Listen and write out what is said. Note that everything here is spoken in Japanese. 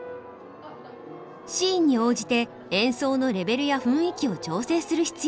シーンに応じて演奏のレベルや雰囲気を調整する必要があります。